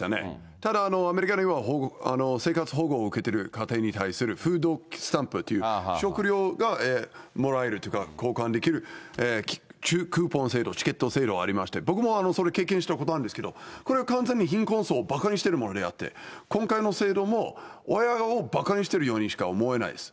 ただ、アメリカの生活保護を受けてる家庭に対するフードスタンプという、食料がもらえるというか、交換できるクーポン制度、チケット制度がありまして、僕もそれ経験したことあるんですけど、これは完全に貧困層をばかにしてるものであって、今回の制度も、親をばかにしているようにしか見えない。